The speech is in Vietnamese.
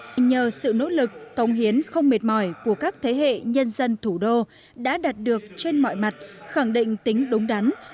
nhưng nhờ sự nỗ lực công hiến không mệt mỏi của các thế hệ nhân dân thủ đô đã đạt được trên mọi mặt khẳng định tính đúng đắn